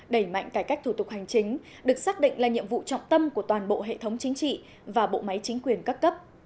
đẩy mạnh cải cách thủ tục hành chính được xác định là nhiệm vụ trọng tâm của toàn bộ hệ thống chính trị và bộ máy chính quyền các cấp